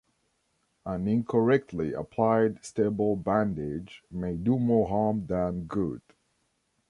An incorrectly applied stable bandage may do more harm than good.